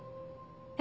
え？